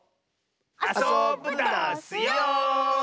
あそぶダスよ！